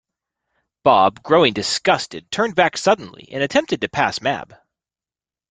Bob, growing disgusted, turned back suddenly and attempted to pass Mab.